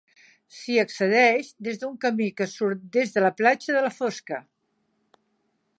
S'hi accedeix des d'un camí que surt des de la platja de la Fosca.